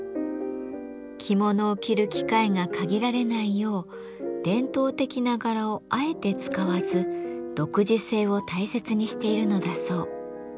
着物を着る機会が限られないよう伝統的な柄をあえて使わず独自性を大切にしているのだそう。